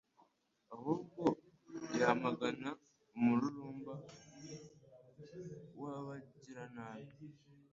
ahubwo yamagana umururumba w’abagiranabi